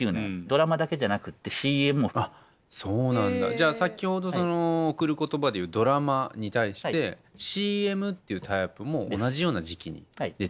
じゃあ先ほど「贈る言葉」でいうドラマに対してＣＭっていうタイアップも同じような時期に出てきてる。